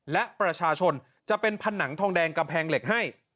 และประชาชนจะเป็นผนังทองแดงกำแพงเหล็กให้